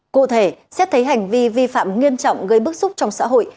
cụ thể xét thấy hành vi vi phạm nghiêm trọng gây bức xúc trong xã hội